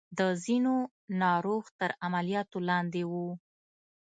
د ځينو ناروغ تر عملياتو لاندې وو.